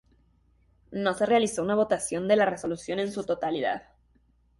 No se realizó una votación de la resolución en su totalidad.